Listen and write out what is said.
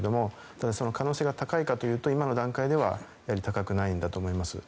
ただ、可能性が高いかというと今の段階では高くないんだと思います。